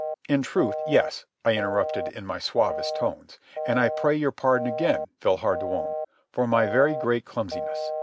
"In truth, yes," I interrupted in my suavest tones. "And I pray your pardon again, Villehardouin, for my very great clumsiness.